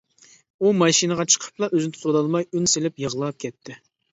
ئۇ ماشىنىغا چىقىپلا ئۆزىنى تۇتۇۋالالماي ئۈن سېلىپ يىغلاپ كەتتى.